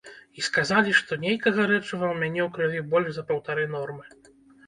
І сказалі, што нейкага рэчыва ў мяне ў крыві больш за паўтары нормы.